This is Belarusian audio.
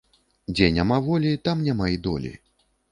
Дзе няма волі, там няма і долі